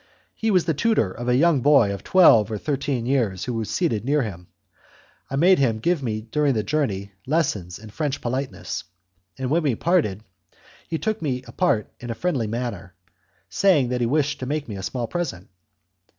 He was the tutor of a young boy of twelve or thirteen years who was seated near him. I made him give me during the journey lessons in French politeness, and when we parted he took me apart in a friendly manner, saying that he wished to make me a small present.